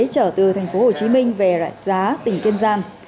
chở từ tp hồ chí minh về lại giá tỉnh kiên giang